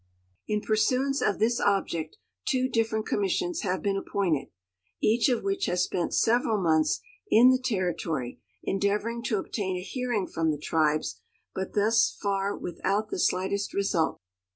In pursuance of this object two different commissions have been appointed, each of which has spent several months in the Terri tory endeavoring to obtain a hearing from the tribes, but thus for without the slightest result.